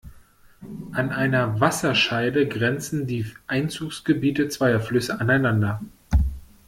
An einer Wasserscheide grenzen die Einzugsgebiete zweier Flüsse aneinander.